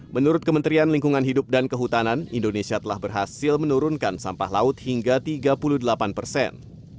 menurut kementerian lingkungan hidup dan kehutanan indonesia telah berhasil menurunkan sampah laut hingga tiga puluh delapan persen